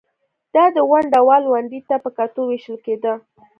دا د ونډه وال ونډې ته په کتو وېشل کېده